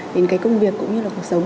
đến cái công việc cũng như là cuộc sống